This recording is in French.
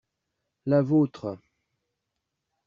La vôtre.